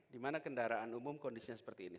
dimana kendaraan umum kondisinya seperti ini